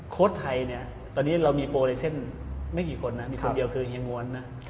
ไทยเนี่ยตอนนี้เรามีโปรไลเซ็นต์ไม่กี่คนนะมีคนเดียวคือเฮียงวนนะ